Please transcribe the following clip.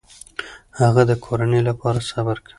هغه د کورنۍ لپاره صبر کوي.